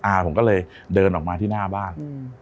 ผมก็เลยเดินออกมาที่หน้าบ้าน